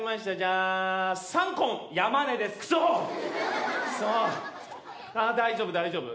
ああ大丈夫大丈夫。